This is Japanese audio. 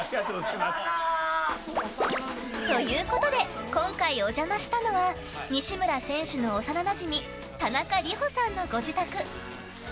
ということで今回お邪魔したのは西村選手の幼なじみ田中里歩さんのご自宅。